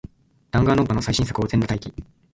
ダンガンロンパの最新作を、全裸待機